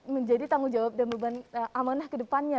menjadi tanggung jawab dan beban amanah kedepannya